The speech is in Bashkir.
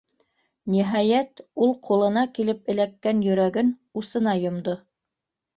Ниһайәт ул ҡулына килеп эләккән йөрәген усына йомдо.